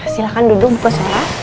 silahkan duduk buka suara